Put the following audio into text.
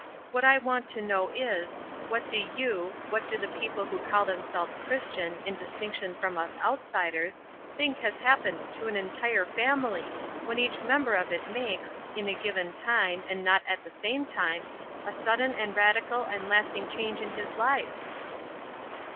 What I want to know is : What do you — what do the people who call themselves Christians, in dis tinction from us outsiders — think has happened to an entire family when each member of it makes, in a given time and not at the same 208 ESTER RIED'S NAMESAKE time, a sudden and radical and lasting change in his life?''